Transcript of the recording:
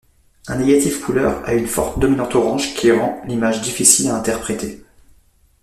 Un négatif couleur a une forte dominante orange qui rend l'image difficile à interpréter.